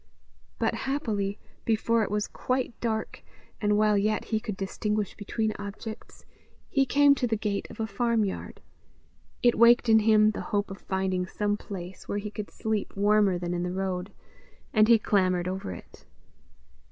But, happily, before it was quite dark, and while yet he could distinguish between objects, he came to the gate of a farmyard; it waked in him the hope of finding some place where he could sleep warmer than in the road, and he clambered over it.